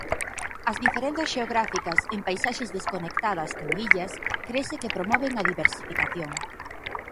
As diferenzas xeográficas en paisaxes desconectadas como illas crese que promoven a diversificación.